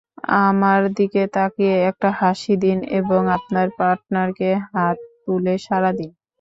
আমার দিকে তাকিয়ে একটা হাসি দিন এবং আপনার পার্টনারকে হাত তুলে সাড়া দিন।